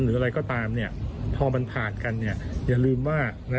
หรืออะไรก็ตามเนี่ยพอมันผ่านกันเนี่ยอย่าลืมว่าใน